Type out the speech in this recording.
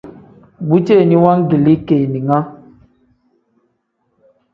Bu ceeni wangilii keninga.